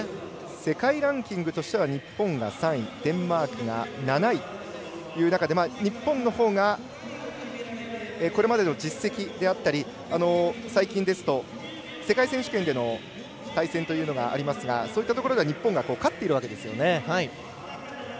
世界ランキングとしては日本が３位デンマークが７位という中で日本のほうがこれまでの実績であったり最近ですと、世界選手権での対戦というのがありますがそういったところでは日本が勝っているわけですよね。